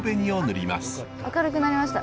明るくなりました。